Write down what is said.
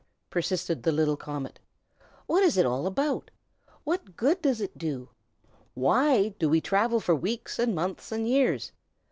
persisted the little comet. "What is it all about? What good does it do? Why do we travel for weeks and months and years?